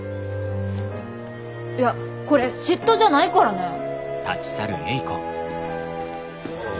いやこれ嫉妬じゃないからねぇ。